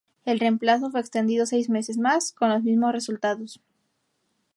El plazo fue extendido seis meses más, con los mismos resultados.